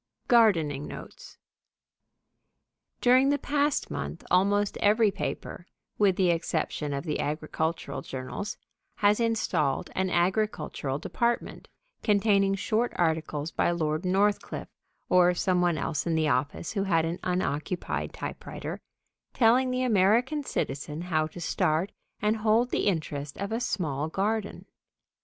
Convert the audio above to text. V GARDENING NOTES During the past month almost every paper, with the exception of the agricultural journals, has installed an agricultural department, containing short articles by Lord Northcliffe, or some one else in the office who had an unoccupied typewriter, telling the American citizen how to start and hold the interest of a small garden.